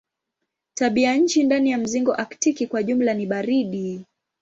Tabianchi ndani ya mzingo aktiki kwa jumla ni baridi.